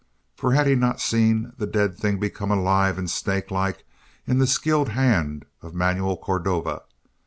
For had he not seen the dead thing become alive and snakelike in the skilled hand of Manuel Cordova?